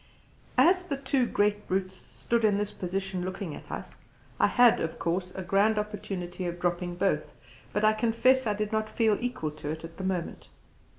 As the two great brutes stood in this position looking at us, I had, of course, a grand opportunity of dropping both, but I confess I did not feel equal to it at the moment.